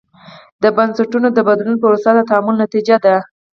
د بنسټونو د بدلون پروسه د تعامل نتیجه ده.